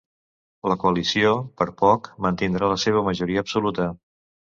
La coalició, per poc, mantindrà la seva majoria absoluta.